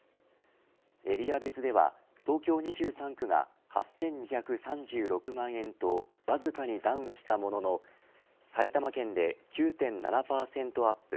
エリア別では東京２３区が８２３６万円とわずかにダウンしたものの埼玉県で９．７％アップ